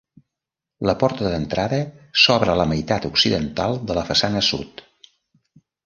La porta d'entrada s'obre a la meitat occidental de la façana sud.